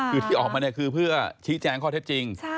คือที่ออกมาเนี่ยคือเพื่อชี้แจงข้อเท็จจริง